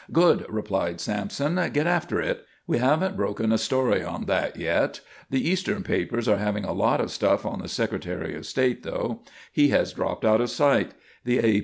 "Good," replied Sampson, "get after it. We haven't broken a story on that yet. The eastern papers are having a lot of stuff on the Secretary of State, though. He has dropped out of sight; the A.